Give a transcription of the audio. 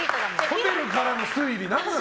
ホテルからの推理何なの？